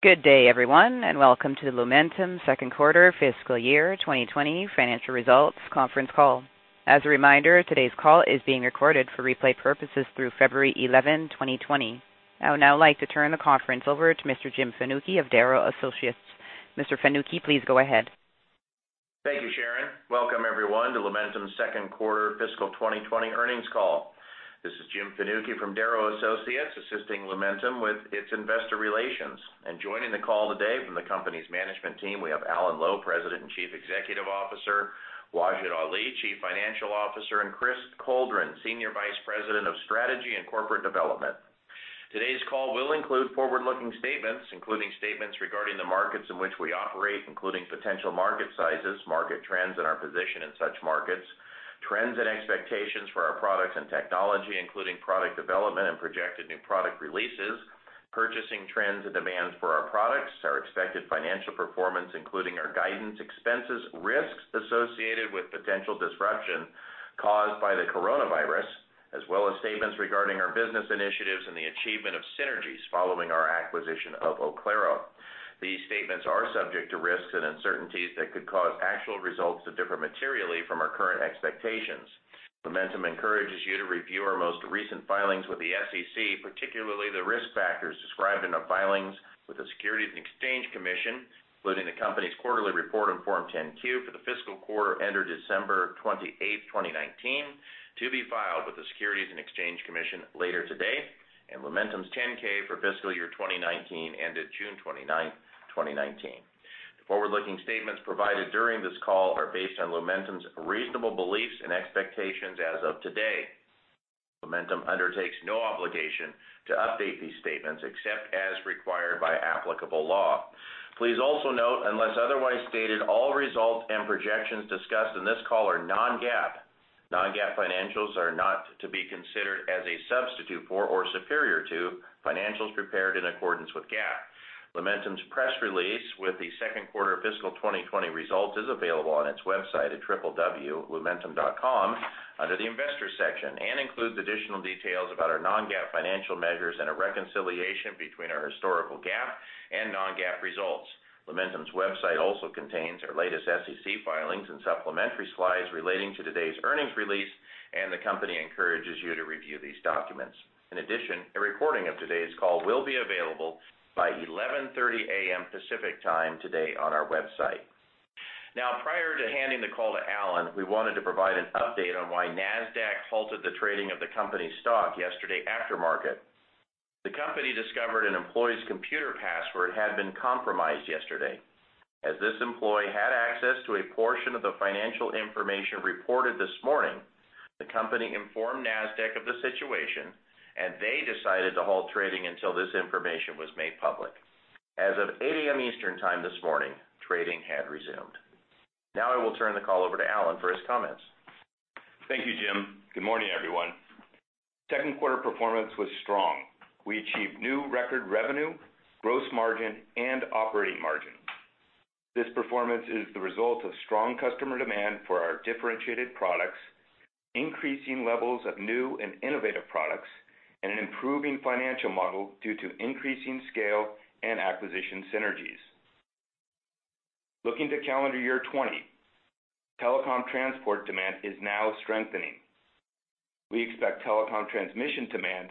Good day everyone, welcome to the Lumentum second quarter fiscal year 2020 financial results conference call. As a reminder, today's call is being recorded for replay purposes through February 11, 2020. I would now like to turn the conference over to Mr. Jim Fanucchi of Darrow Associates. Mr. Fanucchi, please go ahead. Thank you, Sharon. Welcome everyone to Lumentum's second quarter fiscal 2020 earnings call. This is Jim Fanucchi from Darrow Associates, assisting Lumentum with its investor relations. Joining the call today from the company's management team, we have Alan Lowe, President and Chief Executive Officer, Wajid Ali, Chief Financial Officer, and Chris Coldren, Senior Vice President of Strategy and Corporate Development. Today's call will include forward-looking statements, including statements regarding the markets in which we operate, including potential market sizes, market trends, and our position in such markets, trends and expectations for our products and technology, including product development and projected new product releases, purchasing trends and demands for our products, our expected financial performance, including our guidance, expenses, risks associated with potential disruption caused by the coronavirus, as well as statements regarding our business initiatives and the achievement of synergies following our acquisition of Oclaro. These statements are subject to risks and uncertainties that could cause actual results to differ materially from our current expectations. Lumentum encourages you to review our most recent filings with the SEC, particularly the risk factors described in the filings with the Securities and Exchange Commission, including the company's quarterly report on Form 10-Q for the fiscal quarter ended December 28, 2019, to be filed with the Securities and Exchange Commission later today, and Lumentum's 10-K for fiscal year 2019 ended June 29, 2019. The forward-looking statements provided during this call are based on Lumentum's reasonable beliefs and expectations as of today. Lumentum undertakes no obligation to update these statements except as required by applicable law. Please also note, unless otherwise stated, all results and projections discussed in this call are non-GAAP. Non-GAAP financials are not to be considered as a substitute for or superior to financials prepared in accordance with GAAP. Lumentum's press release with the second quarter fiscal 2020 results is available on its website at www.lumentum.com under the Investors section and includes additional details about our non-GAAP financial measures and a reconciliation between our historical GAAP and non-GAAP results. Lumentum's website also contains our latest SEC filings and supplementary slides relating to today's earnings release, and the company encourages you to review these documents. In addition, a recording of today's call will be available by 11:30 A.M. Pacific Time today on our website. Prior to handing the call to Alan, we wanted to provide an update on why Nasdaq halted the trading of the company's stock yesterday after market. The company discovered an employee's computer password had been compromised yesterday. As this employee had access to a portion of the financial information reported this morning, the company informed Nasdaq of the situation, and they decided to halt trading until this information was made public. As of 8:00 A.M. Eastern Time this morning, trading had resumed. I will turn the call over to Alan for his comments. Thank you, Jim. Good morning, everyone. Second quarter performance was strong. We achieved new record revenue, gross margin, and operating margin. This performance is the result of strong customer demand for our differentiated products, increasing levels of new and innovative products, and an improving financial model due to increasing scale and acquisition synergies. Looking to calendar year 2020, telecom transport demand is now strengthening. We expect telecom transmission demand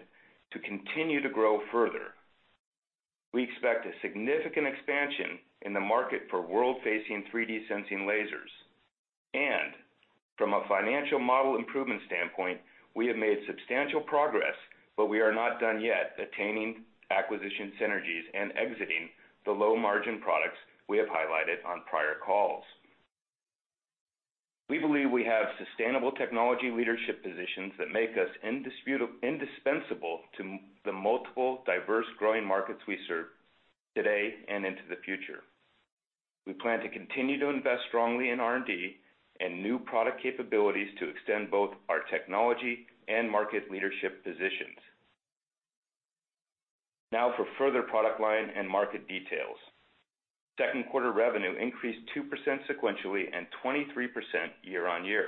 to continue to grow further. We expect a significant expansion in the market for world-facing 3D sensing lasers. From a financial model improvement standpoint, we have made substantial progress, but we are not done yet attaining acquisition synergies and exiting the low-margin products we have highlighted on prior calls. We believe we have sustainable technology leadership positions that make us indispensable to the multiple diverse growing markets we serve today and into the future. We plan to continue to invest strongly in R&D and new product capabilities to extend both our technology and market leadership positions. For further product line and market details. Second quarter revenue increased 2% sequentially and 23% year-on-year.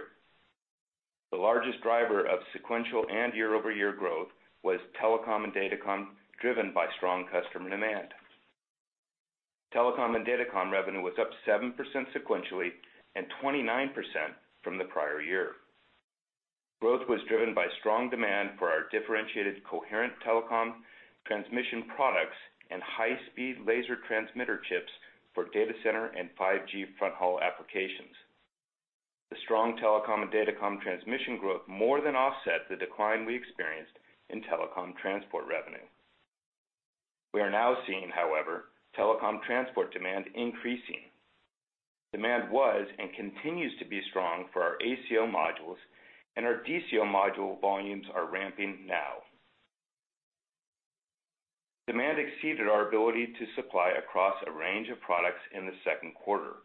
The largest driver of sequential and year-over-year growth was telecom and datacom, driven by strong customer demand. Telecom and datacom revenue was up 7% sequentially and 29% from the prior year. Growth was driven by strong demand for our differentiated coherent telecom transmission products and high-speed laser transmitter chips for data center and 5G front haul applications. The strong telecom and datacom transmission growth more than offset the decline we experienced in telecom transport revenue. We are now seeing, however, telecom transport demand increasing. Demand was, and continues to be strong for our ACO modules, and our DCO module volumes are ramping now. Demand exceeded our ability to supply across a range of products in the second quarter.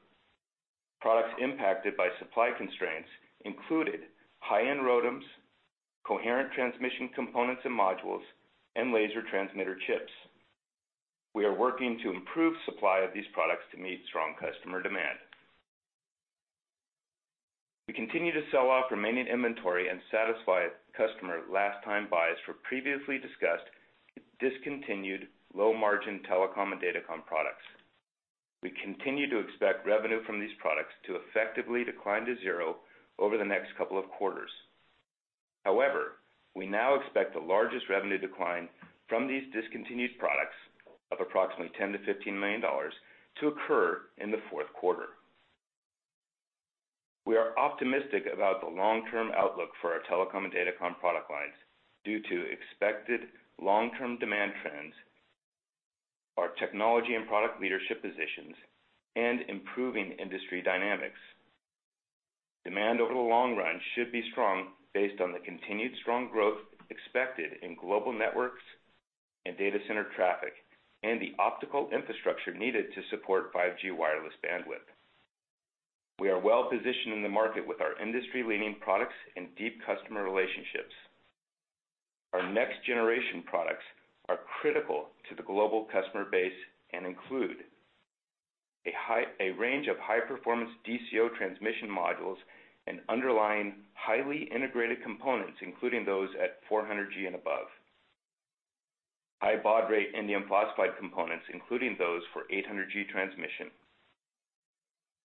Products impacted by supply constraints included high-end ROADMs, coherent transmission components and modules, and laser transmitter chips. We are working to improve supply of these products to meet strong customer demand. We continue to sell off remaining inventory and satisfy customer last time buys for previously discussed, discontinued low margin telecom and datacom products. We continue to expect revenue from these products to effectively decline to zero over the next couple of quarters. However, we now expect the largest revenue decline from these discontinued products of approximately $10 million-$15 million to occur in the fourth quarter. We are optimistic about the long-term outlook for our telecom and datacom product lines due to expected long-term demand trends, our technology and product leadership positions, and improving industry dynamics. Demand over the long run should be strong based on the continued strong growth expected in global networks and data center traffic, and the optical infrastructure needed to support 5G wireless bandwidth. We are well-positioned in the market with our industry-leading products and deep customer relationships. Our next-generation products are critical to the global customer base and include a range of high-performance DCO transmission modules and underlying highly integrated components, including those at 400G and above. High baud rate indium phosphide components, including those for 800G transmission.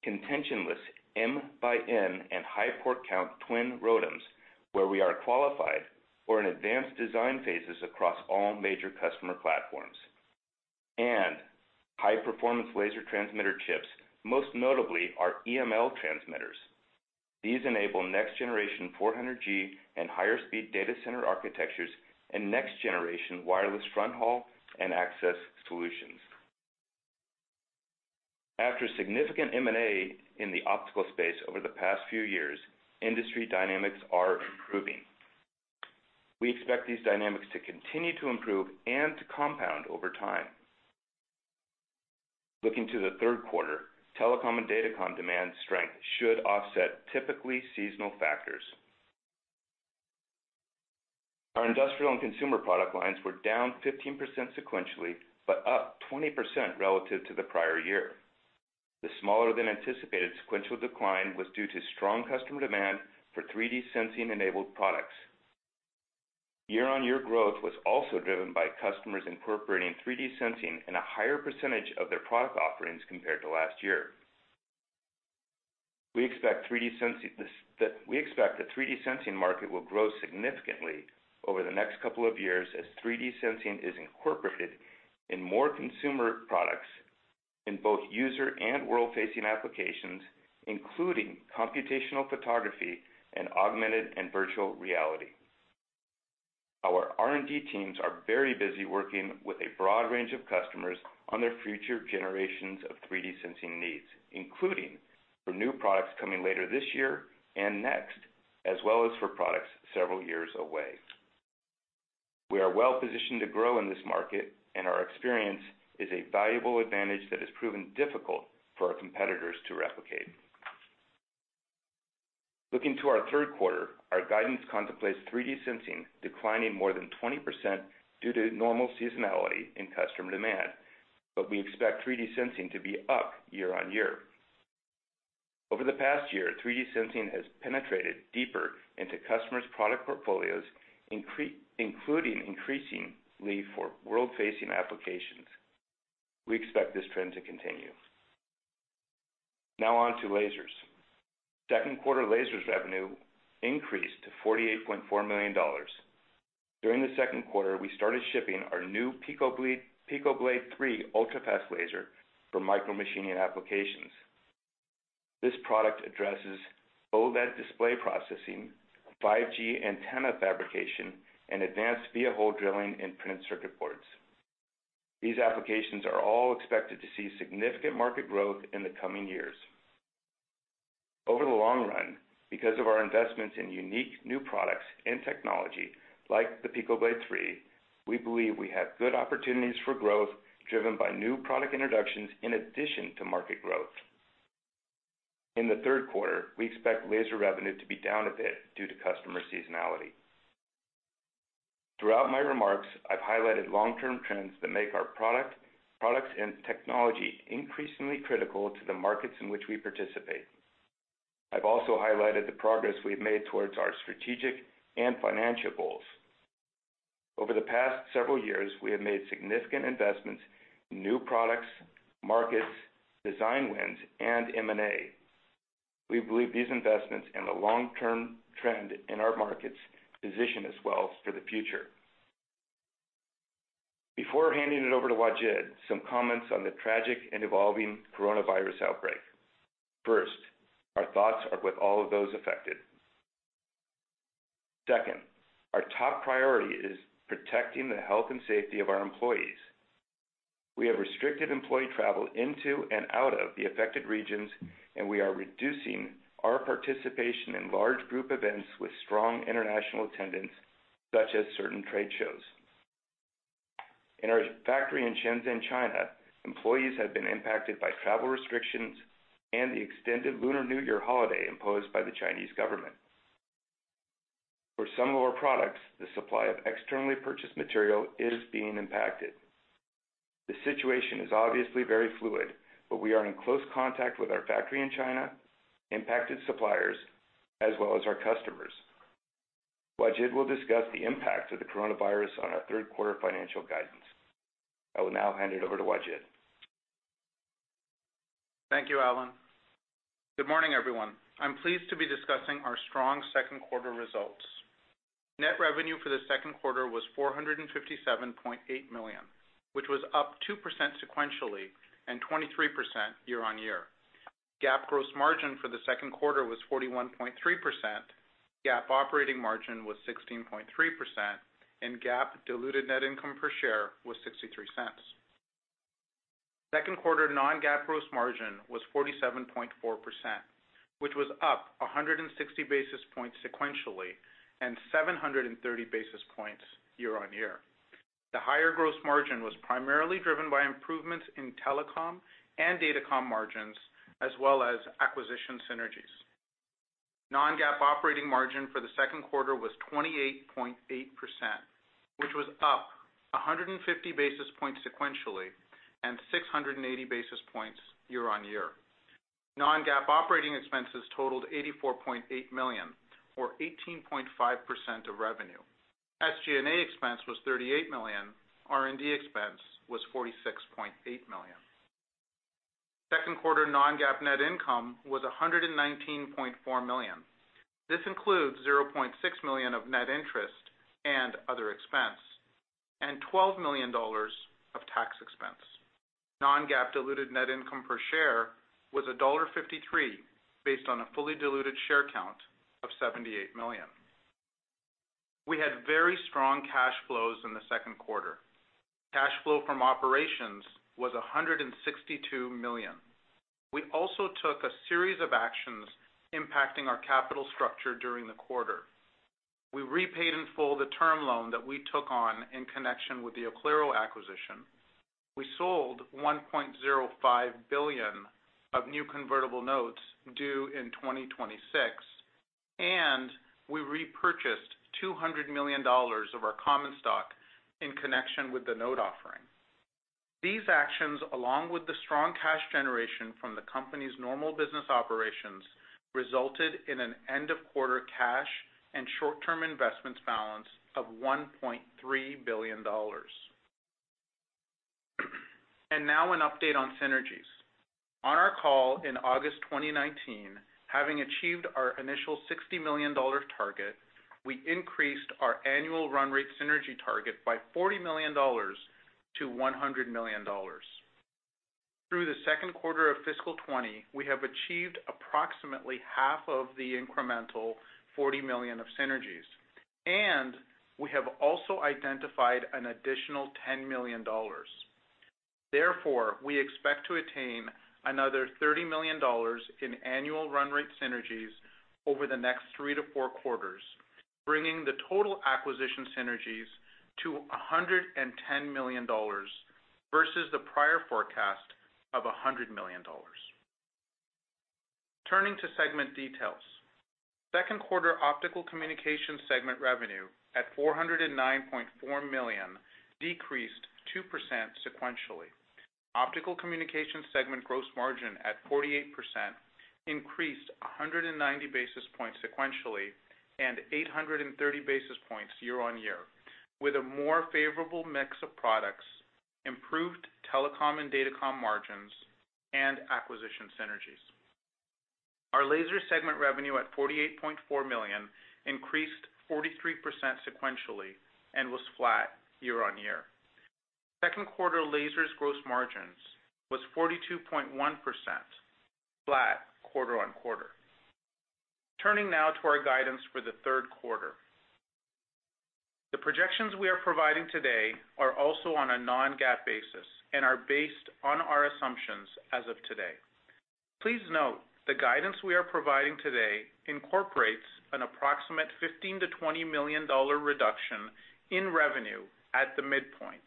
Contention-less MxN and high port count twin ROADMs, where we are qualified or in advanced design phases across all major customer platforms. High performance laser transmitter chips, most notably our EML transmitters. These enable next generation 400G and higher speed data center architectures and next generation wireless front haul and access solutions. After significant M&A in the optical space over the past few years, industry dynamics are improving. We expect these dynamics to continue to improve and to compound over time. Looking to the third quarter, telecom and datacom demand strength should offset typically seasonal factors. Our industrial and consumer product lines were down 15% sequentially, but up 20% relative to the prior year. The smaller than anticipated sequential decline was due to strong customer demand for 3D sensing enabled products. Year-on-year growth was also driven by customers incorporating 3D sensing in a higher percentage of their product offerings compared to last year. We expect the 3D sensing market will grow significantly over the next couple of years as 3D sensing is incorporated in more consumer products in both user and world-facing applications, including computational photography and augmented and virtual reality. Our R&D teams are very busy working with a broad range of customers on their future generations of 3D sensing needs, including for new products coming later this year and next, as well as for products several years away. We are well-positioned to grow in this market, and our experience is a valuable advantage that has proven difficult for our competitors to replicate. Looking to our third quarter, our guidance contemplates 3D sensing declining more than 20% due to normal seasonality in customer demand. We expect 3D sensing to be up year-on-year. Over the past year, 3D sensing has penetrated deeper into customers' product portfolios, including increasingly for world-facing applications. We expect this trend to continue. On to lasers. Second quarter lasers revenue increased to $48.4 million. During the second quarter, we started shipping our new PicoBlade 3 ultra-fast laser for micromachining applications. This product addresses OLED display processing, 5G antenna fabrication, and advanced via hole drilling in printed circuit boards. These applications are all expected to see significant market growth in the coming years. Over the long run, because of our investments in unique new products and technology like the PicoBlade 3, we believe we have good opportunities for growth driven by new product introductions in addition to market growth. In the third quarter, we expect laser revenue to be down a bit due to customer seasonality. Throughout my remarks, I've highlighted long-term trends that make our products and technology increasingly critical to the markets in which we participate. I've also highlighted the progress we've made towards our strategic and financial goals. Over the past several years, we have made significant investments in new products, markets, design wins, and M&A. We believe these investments and the long-term trend in our markets position us well for the future. Before handing it over to Wajid, some comments on the tragic and evolving coronavirus outbreak. First, our thoughts are with all of those affected. Second, our top priority is protecting the health and safety of our employees. We have restricted employee travel into and out of the affected regions, and we are reducing our participation in large group events with strong international attendance, such as certain trade shows. In our factory in Shenzhen, China, employees have been impacted by travel restrictions and the extended Lunar New Year holiday imposed by the Chinese government. For some of our products, the supply of externally purchased material is being impacted. The situation is obviously very fluid, but we are in close contact with our factory in China, impacted suppliers, as well as our customers. Wajid will discuss the impact of the coronavirus on our third quarter financial guidance. I will now hand it over to Wajid. Thank you, Alan. Good morning, everyone. I'm pleased to be discussing our strong second quarter results. Net revenue for the second quarter was $457.8 million, which was up 2% sequentially and 23% year-on-year. GAAP gross margin for the second quarter was 41.3%, GAAP operating margin was 16.3%, and GAAP diluted net income per share was $0.63. Second quarter non-GAAP gross margin was 47.4%, which was up 160 basis points sequentially and 730 basis points year-on-year. The higher gross margin was primarily driven by improvements in telecom and datacom margins, as well as acquisition synergies. Non-GAAP operating margin for the second quarter was 28.8%, which was up 150 basis points sequentially and 680 basis points year-on-year. Non-GAAP operating expenses totaled $84.8 million, or 18.5% of revenue. SG&A expense was $38 million, R&D expense was $46.8 million. Second quarter non-GAAP net income was $119.4 million. This includes $0.6 million of net interest and other expense, and $12 million of tax expense. Non-GAAP diluted net income per share was $1.53, based on a fully diluted share count of 78 million. We had very strong cash flows in the second quarter. Cash flow from operations was $162 million. We also took a series of actions impacting our capital structure during the quarter. We repaid in full the term loan that we took on in connection with the Oclaro acquisition. We sold $1.05 billion of new convertible notes due in 2026, and we repurchased $200 million of our common stock in connection with the note offering. These actions, along with the strong cash generation from the company's normal business operations, resulted in an end-of-quarter cash and short-term investments balance of $1.3 billion. Now an update on synergies. On our call in August 2019, having achieved our initial $60 million target, we increased our annual run rate synergy target by $40 million-$100 million. Through the second quarter of fiscal 2020, we have achieved approximately half of the incremental $40 million of synergies, and we have also identified an additional $10 million. Therefore, we expect to attain another $30 million in annual run rate synergies over the next three to four quarters, bringing the total acquisition synergies to $110 million versus the prior forecast of $100 million. Turning to segment details. Second quarter Optical Communication segment revenue, at $409.4 million, decreased 2% sequentially. Optical Communication segment gross margin, at 48%, increased 190 basis points sequentially and 830 basis points year-on-year, with a more favorable mix of products, improved telecom and datacom margins, and acquisition synergies. Our laser segment revenue at $48.4 million increased 43% sequentially and was flat year-on-year. Second quarter lasers gross margins was 42.1%, flat quarter-on-quarter. Turning now to our guidance for the third quarter. The projections we are providing today are also on a non-GAAP basis and are based on our assumptions as of today. Please note the guidance we are providing today incorporates an approximate $15 million-$20 million reduction in revenue at the midpoint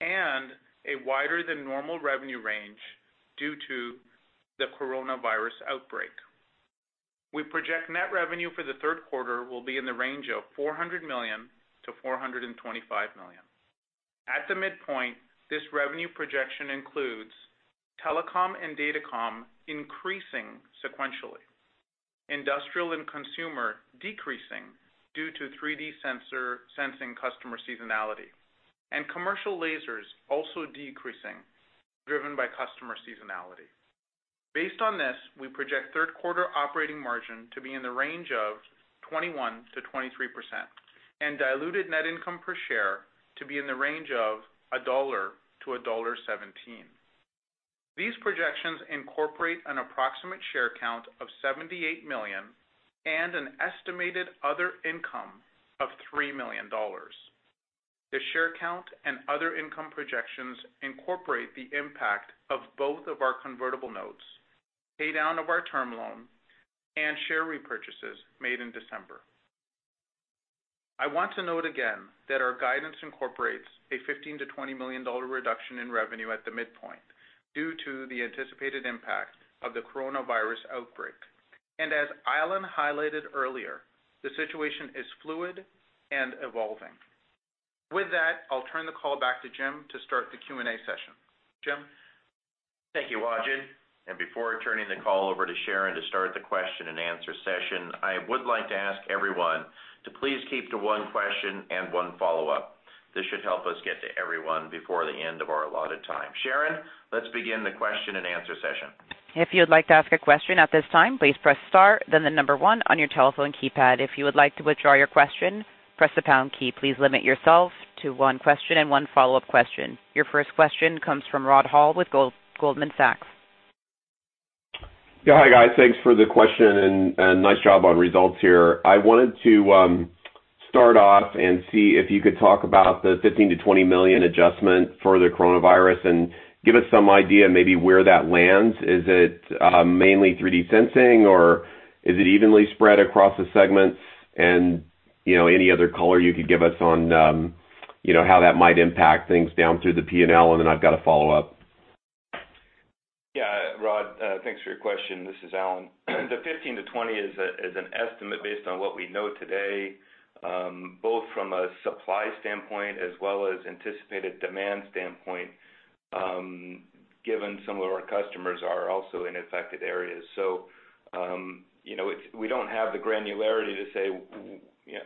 and a wider than normal revenue range due to the coronavirus outbreak. We project net revenue for the third quarter will be in the range of $400 million-$425 million. At the midpoint, this revenue projection includes telecom and datacom increasing sequentially, industrial and consumer decreasing due to 3D sensing customer seasonality, and commercial lasers also decreasing, driven by customer seasonality. Based on this, we project third quarter operating margin to be in the range of 21%-23%, and diluted net income per share to be in the range of $1-$1.17. These projections incorporate an approximate share count of 78 million and an estimated other income of $3 million. The share count and other income projections incorporate the impact of both of our convertible notes, pay down of our term loan, and share repurchases made in December. I want to note again that our guidance incorporates a $15 million-$20 million reduction in revenue at the midpoint due to the anticipated impact of the coronavirus outbreak. As Alan highlighted earlier, the situation is fluid and evolving. With that, I'll turn the call back to Jim to start the Q&A session. Jim? Thank you, Wajid. Before turning the call over to Sharon to start the question and answer session, I would like to ask everyone to please keep to one question and one follow-up. This should help us get to everyone before the end of our allotted time. Sharon, let's begin the question and answer session. If you would like to ask a question at this time, please press star, then the number one on your telephone keypad. If you would like to withdraw your question, press the pound key. Please limit yourself to one question and one follow-up question. Your first question comes from Rod Hall with Goldman Sachs. Yeah. Hi, guys. Thanks for the question, and nice job on results here. I wanted to start off and see if you could talk about the $15 million-$20 million adjustment for the coronavirus and give us some idea maybe where that lands. Is it mainly 3D sensing, or is it evenly spread across the segments? Any other color you could give us on how that might impact things down through the P&L. I've got a follow-up. Yeah, Rod, thanks for your question. This is Alan. The 15-20 is an estimate based on what we know today, both from a supply standpoint as well as anticipated demand standpoint, given some of our customers are also in affected areas. We don't have the granularity to say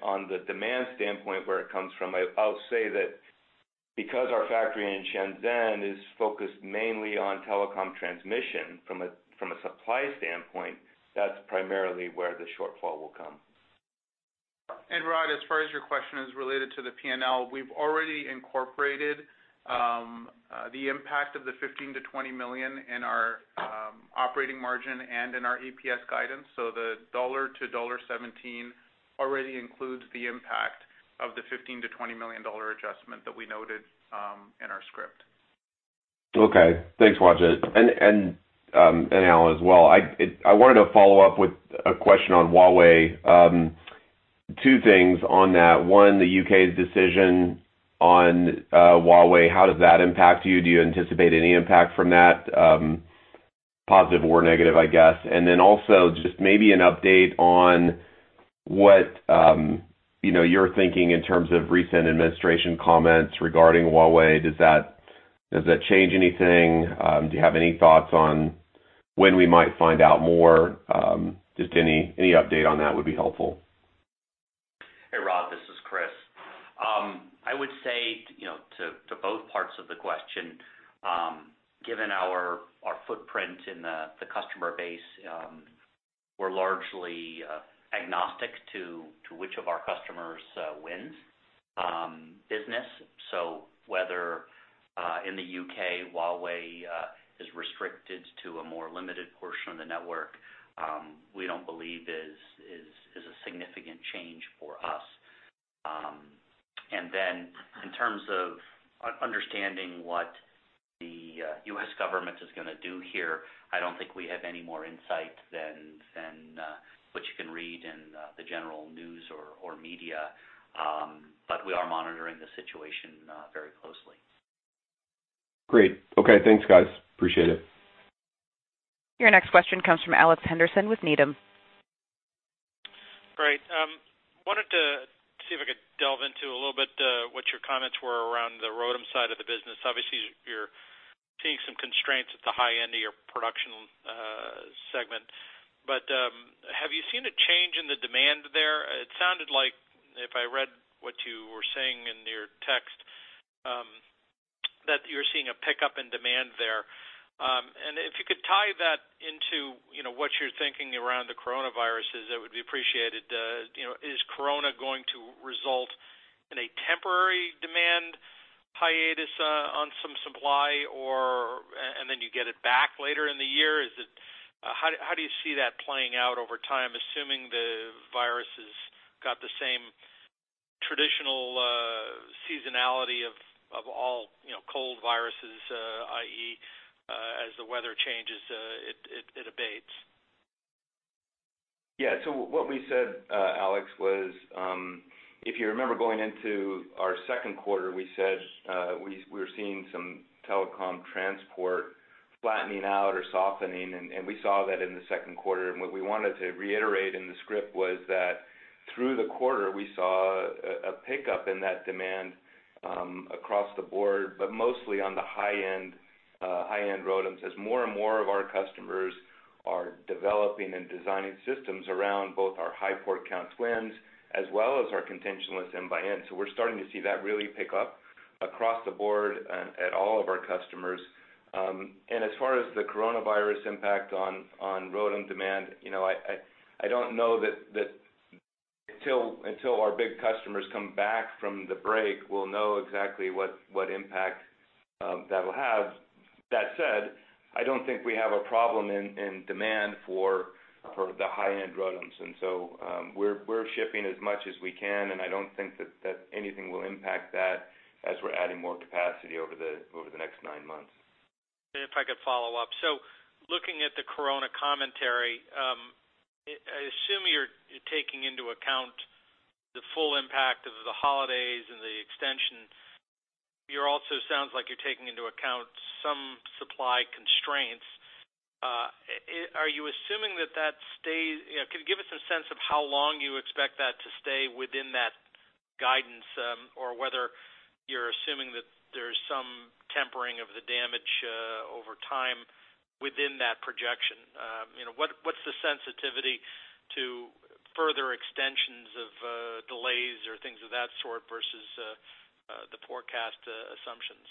on the demand standpoint where it comes from. I'll say that because our factory in Shenzhen is focused mainly on telecom transmission from a supply standpoint, that's primarily where the shortfall will come. Rod, as far as your question is related to the P&L, we've already incorporated the impact of the $15 million-$20 million in our operating margin and in our EPS guidance. The $1-$1.17 already includes the impact of the $15 million-$20 million adjustment that we noted in our script. Okay. Thanks, Wajid, and Alan as well. I wanted to follow up with a question on Huawei. Two things on that. One, the U.K.'s decision on Huawei, how does that impact you? Do you anticipate any impact from that, positive or negative, I guess? Also just maybe an update on what you're thinking in terms of recent administration comments regarding Huawei. Does that change anything? Do you have any thoughts on when we might find out more? Just any update on that would be helpful. Hey, Rod, this is Chris. I would say to both parts of the question, given our footprint in the customer base, we're largely agnostic to which of our customers wins business. Whether in the U.K., Huawei is restricted to a more limited portion of the network, we don't believe is a significant change for us. In terms of understanding what the U.S. government is going to do here, I don't think we have any more insight than what you can read in the general news or media. We are monitoring the situation very closely. Great. Okay. Thanks, guys. Appreciate it. Your next question comes from Alex Henderson with Needham. Great. Wanted to see if I could delve into a little bit what your comments were around the ROADM side of the business. Obviously, you're seeing some constraints at the high end of your production segment, have you seen a change in the demand there? It sounded like if I read what you were saying in your text, that you're seeing a pickup in demand there. If you could tie that into what you're thinking around the coronavirus, it would be appreciated. Is corona going to result in a temporary demand hiatus on some supply or you get it back later in the year? How do you see that playing out over time, assuming the virus has got the same traditional seasonality of all cold viruses, i.e., as the weather changes, it abates? Yeah. What we said, Alex, was, if you remember, going into our second quarter, we said we were seeing some telecom transport flattening out or softening, and we saw that in the second quarter. What we wanted to reiterate in the script was that through the quarter, we saw a pickup in that demand across the board, but mostly on the high-end ROADMs as more and more of our customers are developing and designing systems around both our high port count SLAMs as well as our contentionless N by N. We're starting to see that really pick up across the board at all of our customers. As far as the coronavirus impact on ROADM demand, I don't know that until our big customers come back from the break, we'll know exactly what impact that'll have. That said, I don't think we have a problem in demand for the high-end ROADMs, and so we're shipping as much as we can, and I don't think that anything will impact that as we're adding more capacity over the next nine months. If I could follow up. Looking at the corona commentary, I assume you're taking into account the full impact of the holidays and the extension. You also sound like you're taking into account some supply constraints. Can you give us a sense of how long you expect that to stay within that guidance? Whether you're assuming that there's some tempering of the damage over time within that projection. What's the sensitivity to further extensions of delays or things of that sort versus the forecast assumptions?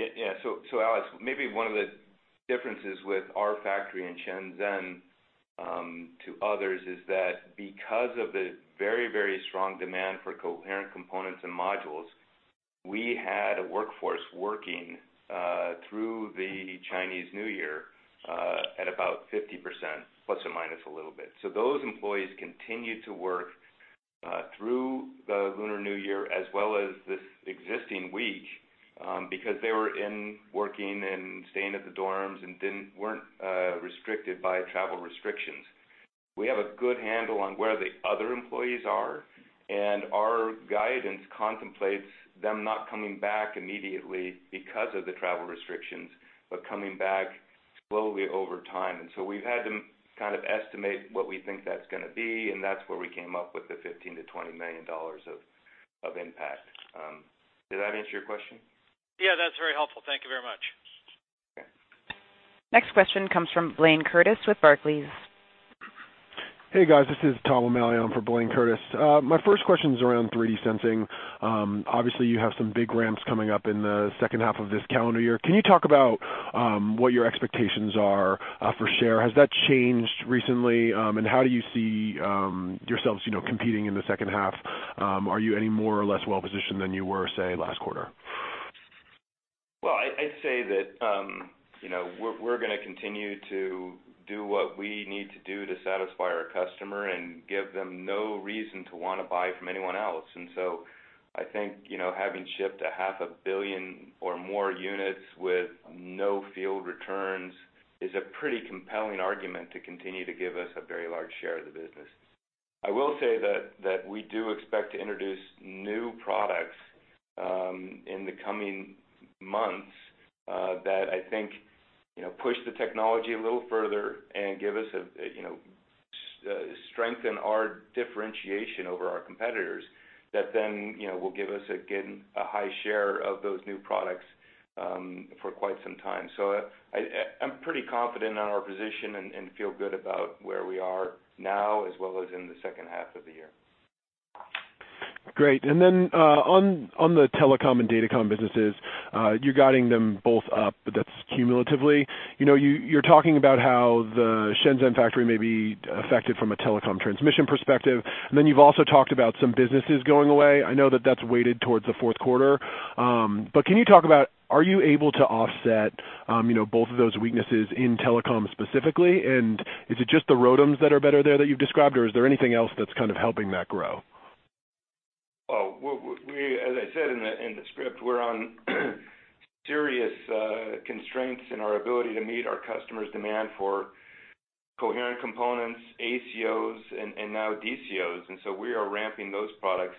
Alex, maybe one of the differences with our factory in Shenzhen to others is that because of the very, very strong demand for coherent components and modules, we had a workforce working through the Chinese New Year at about 50%, plus or minus a little bit. Those employees continued to work through the Lunar New Year as well as this existing week, because they were in working and staying at the dorms and weren't restricted by travel restrictions. We have a good handle on where the other employees are, and our guidance contemplates them not coming back immediately because of the travel restrictions, but coming back slowly over time. We've had to estimate what we think that's going to be, and that's where we came up with the $15 million-$20 million of impact. Did that answer your question? Yeah, that's very helpful. Thank you very much. Next question comes from Blayne Curtis with Barclays. Hey, guys. This is Tom O'Malley on for Blayne Curtis. My first question's around 3D sensing. Obviously, you have some big ramps coming up in the second half of this calendar year. Can you talk about what your expectations are for share? Has that changed recently? How do you see yourselves competing in the second half? Are you any more or less well-positioned than you were, say, last quarter? Well, I'd say that we're going to continue to do what we need to do to satisfy our customer and give them no reason to want to buy from anyone else. I think having shipped a half a billion or more units with no field returns is a pretty compelling argument to continue to give us a very large share of the business. I will say that we do expect to introduce new products in the coming months that I think push the technology a little further and strengthen our differentiation over our competitors. That will give us, again, a high share of those new products for quite some time. I'm pretty confident on our position and feel good about where we are now as well as in the second half of the year. Great. On the telecom and datacom businesses, you're guiding them both up, but that's cumulatively. You're talking about how the Shenzhen factory may be affected from a telecom transmission perspective, then you've also talked about some businesses going away. I know that that's weighted towards the fourth quarter. Can you talk about, are you able to offset both of those weaknesses in telecom specifically? Is it just the ROADMs that are better there that you've described, or is there anything else that's helping that grow? As I said in the script, we're on serious constraints in our ability to meet our customers' demand for coherent components, ACOs, and now DCOs. We are ramping those products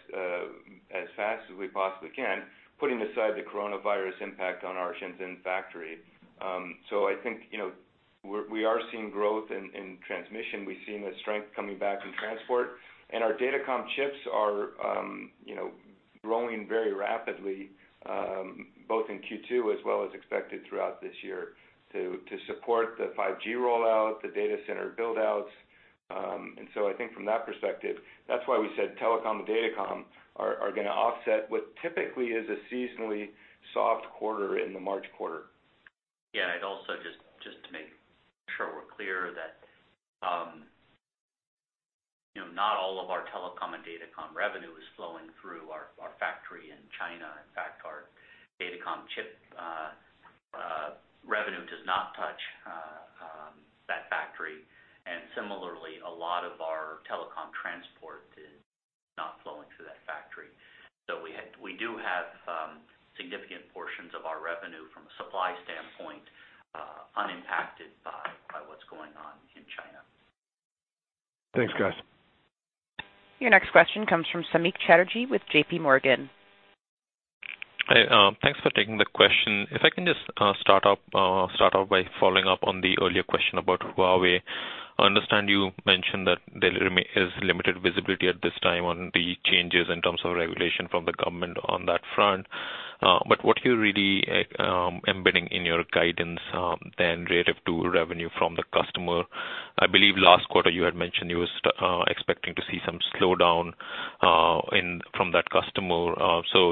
as fast as we possibly can, putting aside the coronavirus impact on our Shenzhen factory. I think we are seeing growth in transmission. We've seen the strength coming back in transport. Our datacom chips are growing very rapidly, both in Q2 as well as expected throughout this year to support the 5G rollout, the data center build-outs. I think from that perspective, that's why we said telecom and datacom are going to offset what typically is a seasonally soft quarter in the March quarter. Yeah. Also just to make sure we're clear that not all of our telecom and datacom revenue is flowing through our factory in China. In fact, our datacom chip revenue does not touch that factory. Similarly, a lot of our telecom transport is not flowing through that factory. We do have significant portions of our revenue from a supply standpoint unimpacted by what's going on in China. Thanks, guys. Your next question comes from Samik Chatterjee with JPMorgan. Hey, thanks for taking the question. If I can just start off by following up on the earlier question about Huawei. I understand you mentioned that there is limited visibility at this time on the changes in terms of regulation from the government on that front. What are you really embedding in your guidance then relative to revenue from the customer? I believe last quarter you had mentioned you were expecting to see some slowdown from that customer.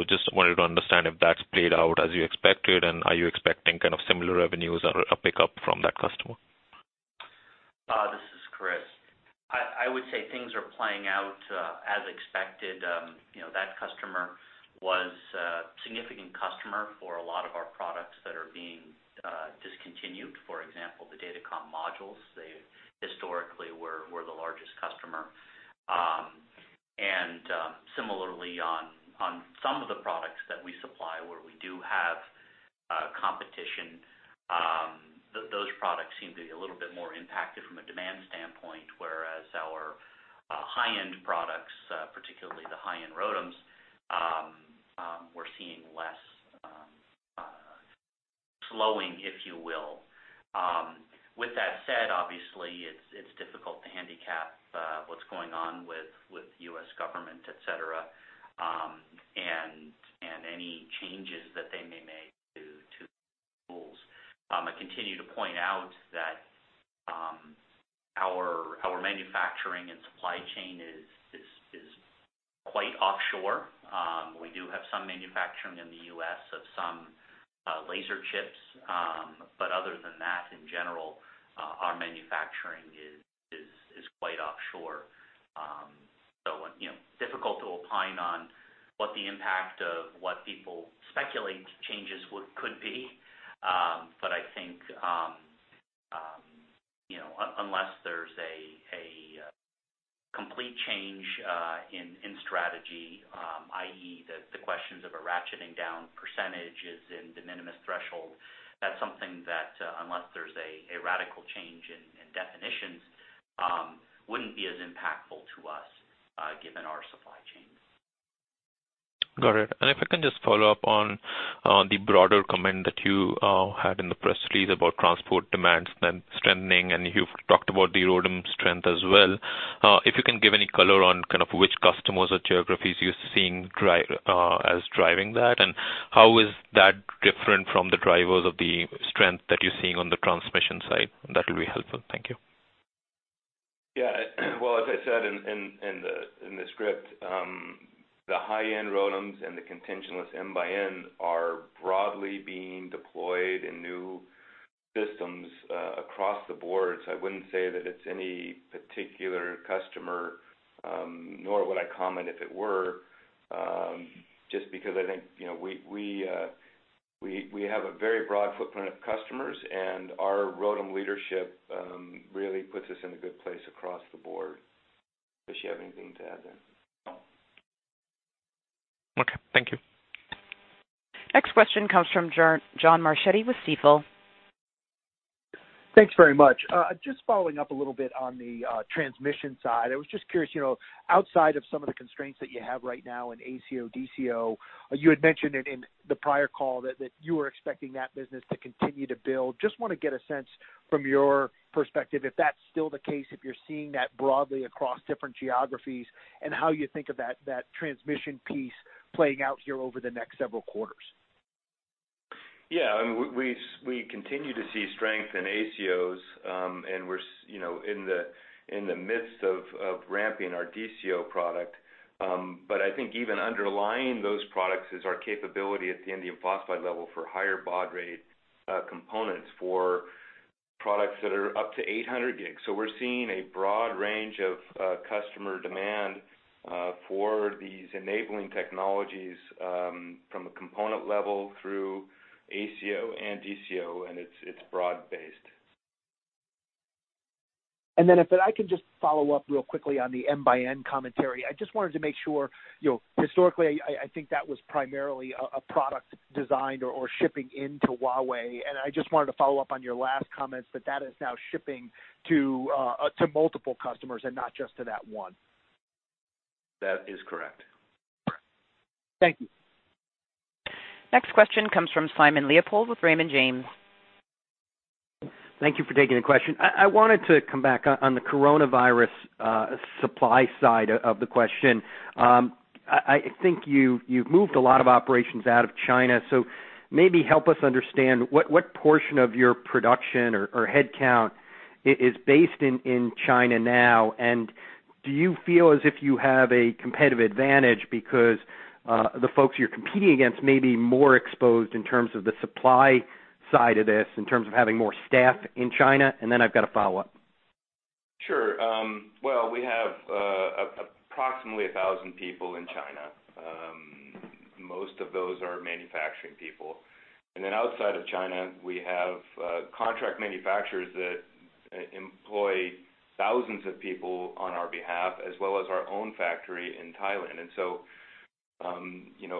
Just wanted to understand if that's played out as you expected, and are you expecting similar revenues or a pickup from that customer? This is Chris. I would say things are playing out as expected. That customer was a significant customer for a lot of our products that are being. For example, the datacom modules, they historically were the largest customer. Similarly, on some of the products that we supply, where we do have competition, those products seem to be a little bit more impacted from a demand standpoint, whereas our high-end products, particularly the high-end ROADMs, we're seeing less slowing, if you will. With that said, obviously, it's difficult to handicap what's going on with U.S. government, et cetera, and any changes that they may make to rules. I continue to point out that our manufacturing and supply chain is quite offshore. We do have some manufacturing in the U.S. of some laser chips. Other than that, in general, our manufacturing is quite offshore. Difficult to opine on what the impact of what people speculate changes could be. I think, unless there's a complete change in strategy, i.e., the questions of a ratcheting down percentages in de minimis threshold, that's something that, unless there's a radical change in definitions, wouldn't be as impactful to us, given our supply chains. Got it. If I can just follow up on the broader comment that you had in the press release about transport demands then strengthening, and you've talked about the ROADM strength as well. If you can give any color on kind of which customers or geographies you're seeing as driving that, and how is that different from the drivers of the strength that you're seeing on the transmission side? That will be helpful. Thank you. Yeah. Well, as I said in the script, the high-end ROADMs and the contentionless N by N are broadly being deployed in new systems across the board. I wouldn't say that it's any particular customer, nor would I comment if it were, just because I think we have a very broad footprint of customers, and our ROADM leadership really puts us in a good place across the board. Chris, you have anything to add there? Okay. Thank you. Next question comes from John Marchetti with Stifel. Thanks very much. Just following up a little bit on the transmission side, I was just curious, outside of some of the constraints that you have right now in ACO, DCO, you had mentioned it in the prior call that you were expecting that business to continue to build. Just want to get a sense from your perspective if that's still the case, if you're seeing that broadly across different geographies, and how you think of that transmission piece playing out here over the next several quarters? Yeah. We continue to see strength in ACOs, and we're in the midst of ramping our DCO product. I think even underlying those products is our capability at the indium phosphide level for higher baud rate components for products that are up to 800 gigs. We're seeing a broad range of customer demand for these enabling technologies from a component level through ACO and DCO, and it's broad based. If I could just follow up real quickly on the N by N commentary. I just wanted to make sure, historically, I think that was primarily a product designed or shipping into Huawei, and I just wanted to follow up on your last comments that that is now shipping to multiple customers and not just to that one. That is correct. Thank you. Next question comes from Simon Leopold with Raymond James. Thank you for taking the question. I wanted to come back on the coronavirus supply side of the question. I think you've moved a lot of operations out of China, so maybe help us understand, what portion of your production or headcount is based in China now? Do you feel as if you have a competitive advantage because the folks you're competing against may be more exposed in terms of the supply side of this, in terms of having more staff in China? I've got a follow-up. Sure. Well, we have approximately 1,000 people in China. Most of those are manufacturing people. Outside of China, we have contract manufacturers that employ thousands of people on our behalf, as well as our own factory in Thailand.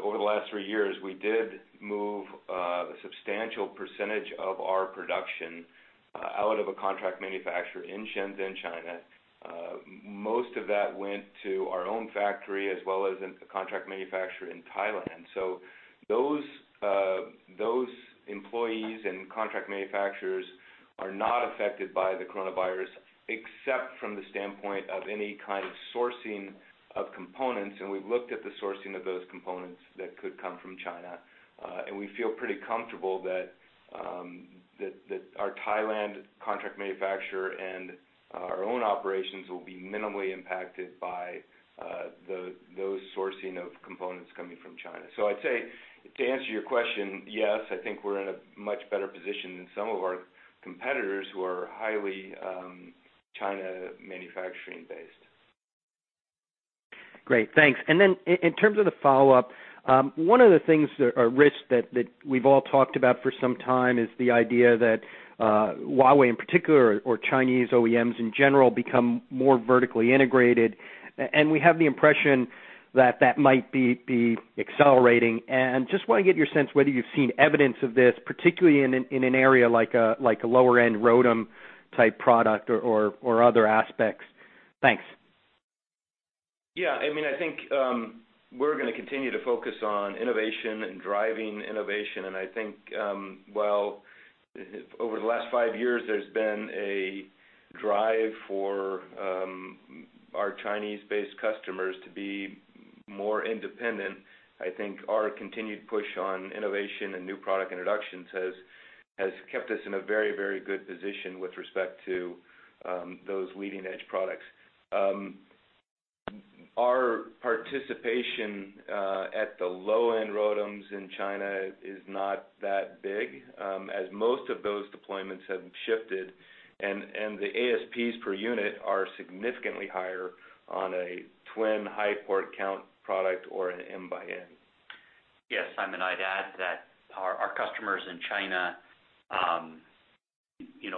Over the last three years, we did move a substantial percentage of our production out of a contract manufacturer in Shenzhen, China. Most of that went to our own factory as well as in contract manufacture in Thailand. Those employees and contract manufacturers are not affected by the coronavirus, except from the standpoint of any kind of sourcing of components, and we've looked at the sourcing of those components that could come from China. We feel pretty comfortable that our Thailand contract manufacturer and our own operations will be minimally impacted by those sourcing of components coming from China. I'd say, to answer your question, yes, I think we're in a much better position than some of our competitors who are highly China manufacturing based. Great. Thanks. In terms of the follow-up, one of the things or risks that we've all talked about for some time is the idea that Huawei in particular, or Chinese OEMs in general, become more vertically integrated. We have the impression that that might be accelerating. Just want to get your sense whether you've seen evidence of this, particularly in an area like a lower-end ROADM type product or other aspects. Thanks. Yeah. I think we're going to continue to focus on innovation and driving innovation. I think, while over the last five years, there's been a drive for our Chinese-based customers to be more independent, I think our continued push on innovation and new product introductions has kept us in a very good position with respect to those leading-edge products. Our participation at the low-end ROADMs in China is not that big, as most of those deployments have shifted, and the ASPs per unit are significantly higher on a twin high port count product or an M by N. Yes, Simon, I'd add that our customers in China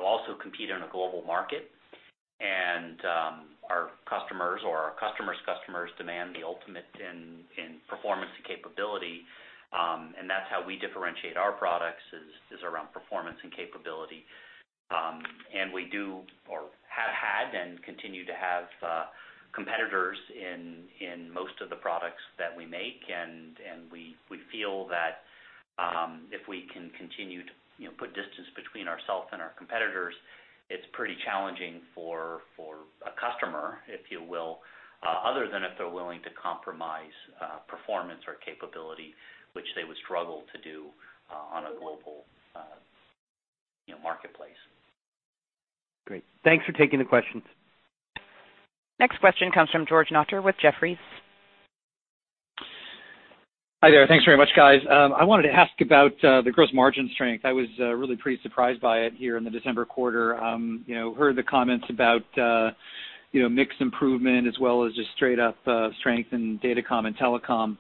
also compete on a global market. Our customers or our customer's customers demand the ultimate in performance and capability. That's how we differentiate our products, is around performance and capability. We do, or have had, and continue to have competitors in most of the products that we make. We feel that if we can continue to put distance between ourselves and our competitors, it's pretty challenging for a customer, if you will, other than if they're willing to compromise performance or capability, which they would struggle to do on a global marketplace. Great. Thanks for taking the questions. Next question comes from George Notter with Jefferies. Hi there. Thanks very much, guys. I wanted to ask about the gross margin strength. I was really pretty surprised by it here in the December quarter. Heard the comments about mix improvement as well as just straight up strength in datacom and telecom.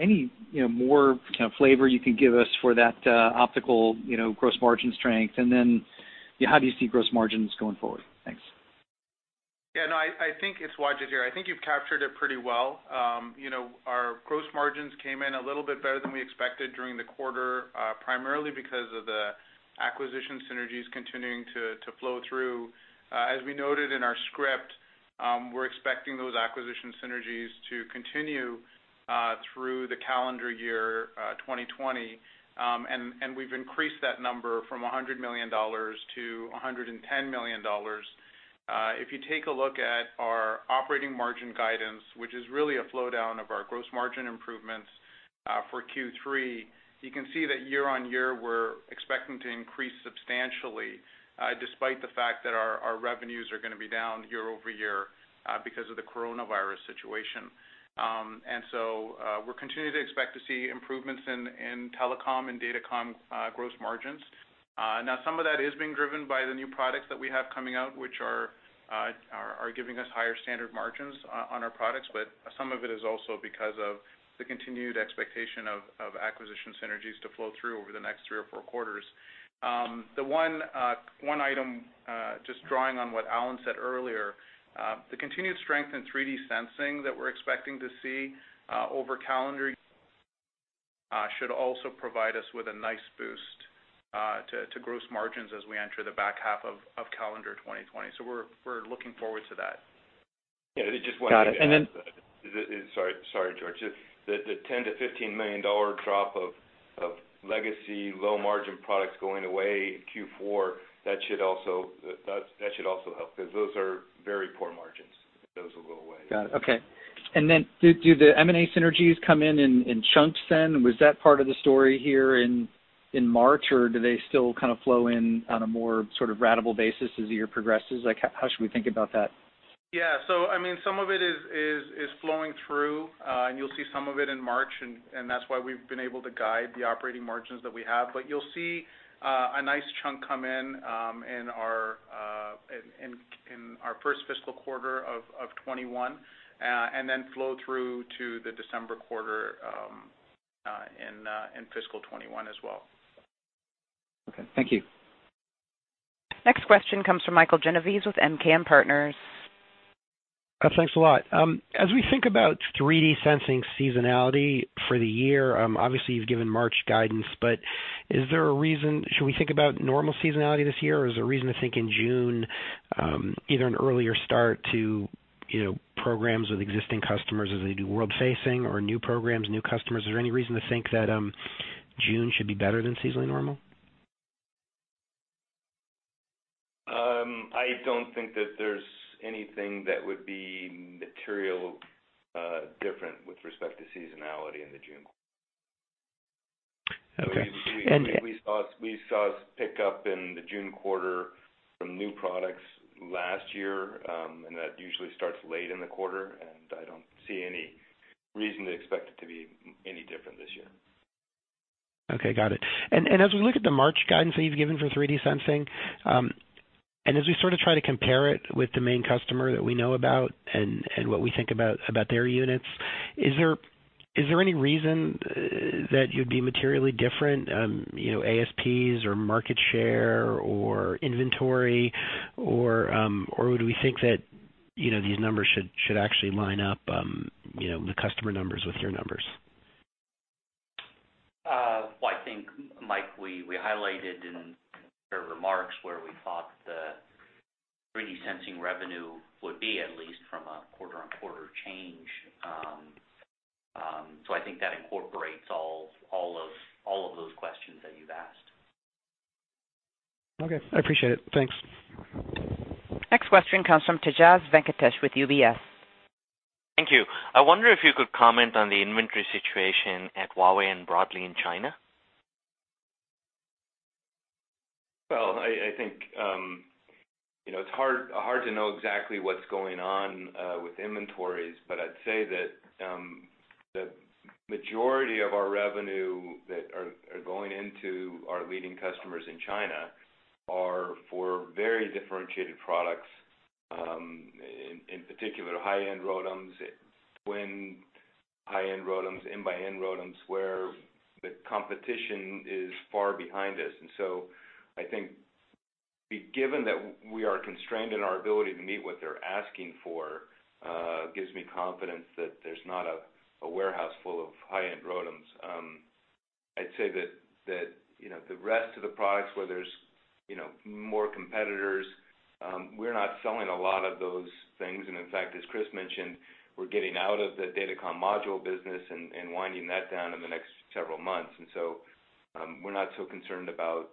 Any more kind of flavor you can give us for that optical gross margin strength? How do you see gross margins going forward? Thanks. Yeah, no, I think, it's Wajid here. I think you've captured it pretty well. Our gross margins came in a little bit better than we expected during the quarter primarily because of the acquisition synergies continuing to flow through. As we noted in our script, we're expecting those acquisition synergies to continue through the calendar year 2020. We've increased that number from $100 million-$110 million. If you take a look at our operating margin guidance, which is really a flow down of our gross margin improvements for Q3, you can see that year-over-year, we're expecting to increase substantially despite the fact that our revenues are going to be down year-over-year because of the coronavirus situation. We're continuing to expect to see improvements in telecom and datacom gross margins. Some of that is being driven by the new products that we have coming out, which are giving us higher standard margins on our products. Some of it is also because of the continued expectation of acquisition synergies to flow through over the next three or four quarters. The one item, just drawing on what Alan said earlier, the continued strength in 3D sensing that we're expecting to see over calendar should also provide us with a nice boost to gross margins as we enter the back half of calendar 2020. We're looking forward to that. Got it. Yeah, I just wanted to add to that. Sorry, George. The $10 million-$15 million drop of legacy low margin products going away in Q4, that should also help, because those are very poor margins, those will go away. Got it. Okay. Do the M&A synergies come in in chunks then? Was that part of the story here in March, or do they still kind of flow in on a more sort of ratable basis as the year progresses? How should we think about that? Yeah. Some of it is flowing through. You'll see some of it in March, and that's why we've been able to guide the operating margins that we have. You'll see a nice chunk come in in our first fiscal quarter of 2021, and then flow through to the December quarter in fiscal 2021 as well. Okay. Thank you. Next question comes from Michael Genovese with MKM Partners. Thanks a lot. As we think about 3D sensing seasonality for the year, obviously you've given March guidance, but should we think about normal seasonality this year, or is there a reason to think in June, either an earlier start to programs with existing customers as they do world-facing or new programs, new customers? Is there any reason to think that June should be better than seasonally normal? I don't think that there's anything that would be materially different with respect to seasonality in the June quarter. Okay. We saw a pick up in the June quarter from new products last year, and that usually starts late in the quarter, and I don't see any reason to expect it to be any different this year. Okay, got it. As we look at the March guidance that you've given for 3D sensing, and as we try to compare it with the main customer that we know about and what we think about their units, is there any reason that you'd be materially different, ASPs or market share or inventory, or do we think that these numbers should actually line up, the customer numbers with your numbers? Well, I think, Mike, we highlighted in our remarks where we thought the 3D sensing revenue would be, at least from a quarter-on-quarter change. I think that incorporates all of those questions that you've asked. Okay. I appreciate it. Thanks. Next question comes from Tejas Venkatesh with UBS. Thank you. I wonder if you could comment on the inventory situation at Huawei and broadly in China. Well, I think, it's hard to know exactly what's going on with inventories. I'd say that the majority of our revenue that are going into our leading customers in China are for very differentiated products, in particular, high-end ROADMs, twin high-end ROADMs, N by N ROADMs, where the competition is far behind us. I think given that we are constrained in our ability to meet what they're asking for, gives me confidence that there's not a warehouse full of high-end ROADMs. I'd say that the rest of the products where there's more competitors, we're not selling a lot of those things. In fact, as Chris mentioned, we're getting out of the datacom module business and winding that down in the next several months. We're not so concerned about